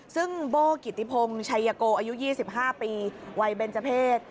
ซึ่งโบ้กิติพงศ์ชัยโกอายุ๒๕ปีวัยเบนเจอร์เพศ